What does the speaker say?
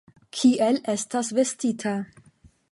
Kiel estas vestita.